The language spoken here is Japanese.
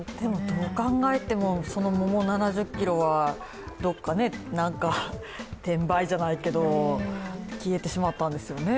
どう考えても、桃７０ｋｇはどこかに転売じゃないけど、消えてしまったんですよね